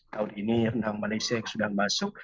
tahun ini rendang malaysia yang sudah masuk